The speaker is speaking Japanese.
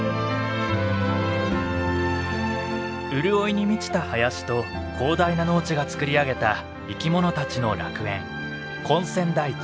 潤いに満ちた林と広大な農地が作り上げた生きものたちの楽園根釧台地。